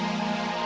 udah lah don